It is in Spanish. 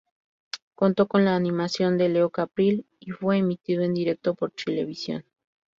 Contó con la animación de Leo Caprile y fue emitido en directo por Chilevisión.